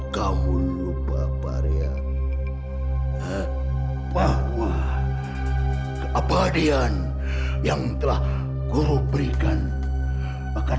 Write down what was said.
sampai jumpa di video selanjutnya